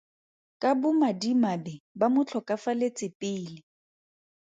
Ka bomadimabe ba mo tlhokafaletse pele.